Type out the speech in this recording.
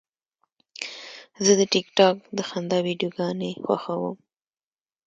زه د ټک ټاک د خندا ویډیوګانې خوښوم.